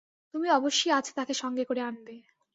তুমি অবশ্যি আজ তাঁকে সঙ্গে করে আনবে।